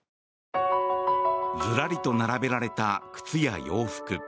ずらりと並べられた靴や洋服。